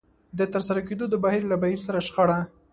د ترسره کېدو د بهير له بهير سره شخړه.